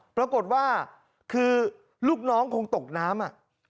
ปรากฏว่าคือลูกน้องคงตกน้ำ